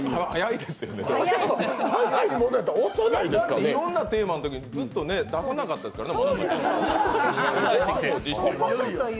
いろんなテーマのときにずっと出さなかったですからね。